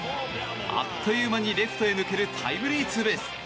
あっという間にレフトへ抜けるタイムリーツーベース。